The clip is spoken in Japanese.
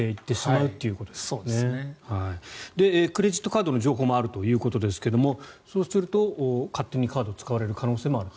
クレジットカードの情報もあるということですがそうすると勝手にカードを使われる可能性もあると。